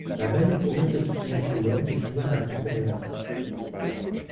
La magnétoréception chez l'Homme est sujette à controverse.